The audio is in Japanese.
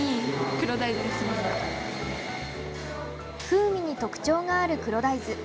風味に特徴がある黒大豆。